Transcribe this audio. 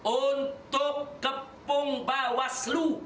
untuk kepung bawah selu